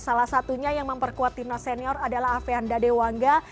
salah satunya yang memperkuat timnas senior adalah afeanda dewangga